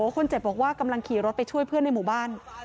คนเจ็บบอกว่ากำลังขี่รถไปช่วยเพื่อนในหมู่บ้าน